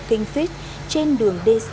kinh phít trên đường d sáu